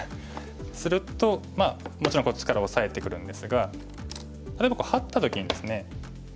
するともちろんこっちからオサえてくるんですが例えばハッた時にですね